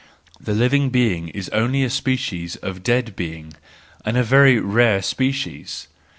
The living being is only a species of dead being, and a very rare species.